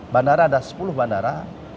bandara ada sepuluh bandara